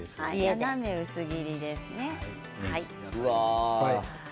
斜め薄切りですね。